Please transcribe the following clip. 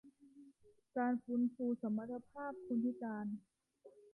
การฟื้นฟูสมรรถภาพคนพิการ